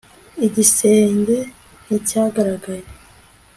igisenge nticyagaragaye